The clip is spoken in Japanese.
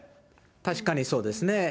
確かにそうですね。